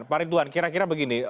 pak ridwan kira kira begini